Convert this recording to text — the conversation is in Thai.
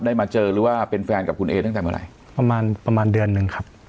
มาเจอหรือว่าเป็นแฟนกับคุณเอตั้งแต่เมื่อไหร่ประมาณประมาณเดือนหนึ่งครับ